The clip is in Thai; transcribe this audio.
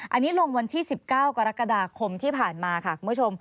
อันนี้ลงวันที่๑๙กรกฎาคมที่ผ่านมาค่ะคุณผู้ชม